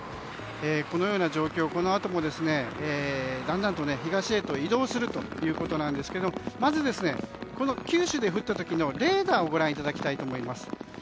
このような状況は、このあともだんだんと東へと移動するということなんですがまず九州で降った時のレーダーをご覧いただきたいと思います。